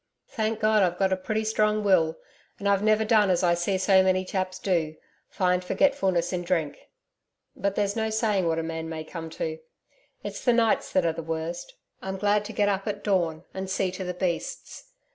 Thank God I've got a pretty strong will, and I've never done as I see so many chaps do, find forgetfulness in drink but there's no saying what a man may come to. It's the nights that are the worst. I'm glad to get up at dawn and see to the beasts.